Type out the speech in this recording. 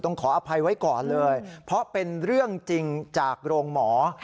ขออภัยไว้ก่อนเลยเพราะเป็นเรื่องจริงจากโรงหมอ